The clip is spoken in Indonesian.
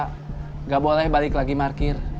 enggak boleh balik lagi markir